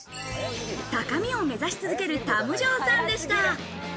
高みを目指し続ける、たむじょーさんでした。